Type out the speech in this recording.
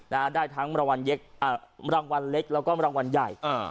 นะฮะได้ทั้งรางวัลเล็กอ่ารางวัลเล็กแล้วก็รางวัลใหญ่อ่า